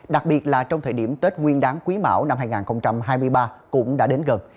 đặc biệt là trong thời điểm tết nguyên đáng quý mão năm hai nghìn hai mươi ba cũng đã đến gần